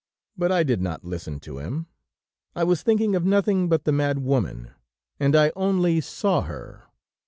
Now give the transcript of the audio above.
But I did not listen to him; I was thinking of nothing but the mad woman, and I only saw her.